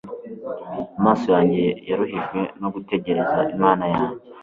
amaso yanjye yaruhijwe no gutegereza imana yanjye